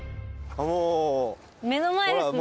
目の前ですね。